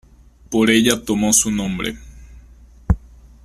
Por ella tomó su nombre.